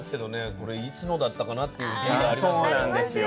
これいつのだったかなっていう瓶ありますよ。